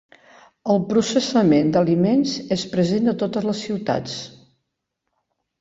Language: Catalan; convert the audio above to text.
El processament d'aliments és present a totes les ciutats.